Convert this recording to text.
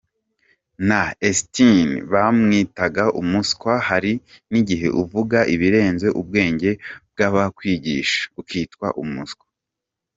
Na Einshtein bamwitaga umuswa! Hari n'igihe uvuga ibirenze ubwenge bw'abakwigisha ukitwa umuswa.